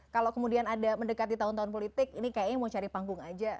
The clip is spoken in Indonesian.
kalau kemudian ada mendekati tahun tahun politik ini kayaknya mau cari panggung aja